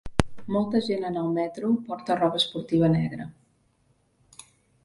Molta gent en el metro porta roba esportiva negra.